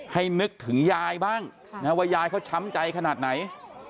นึกถึงยายบ้างว่ายายเขาช้ำใจขนาดไหน